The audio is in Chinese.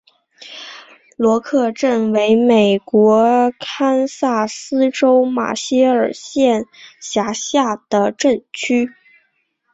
罗克镇区为美国堪萨斯州马歇尔县辖下的镇区。